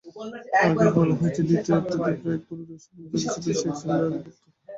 আগেই বলা হয়েছে, দ্বিতীয়ার্ধের প্রায় পুরোটা সময় জুড়েই ছিল শেখ জামালের আধিপত্য।